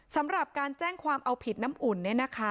สำหรับการแจ้งความเอาผิดน้ำอุ่นเนี่ยนะคะ